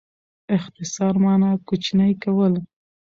اختصار مانا؛ کوچنی کول.